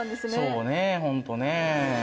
そうねホントね。